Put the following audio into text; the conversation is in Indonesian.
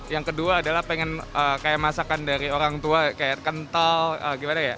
yang kedua adalah pengen kayak masakan dari orang tua kayak kental gimana ya